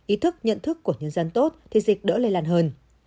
ý thức nhận thức của nhân dân tốt thì dịch đỡ lây lan hơn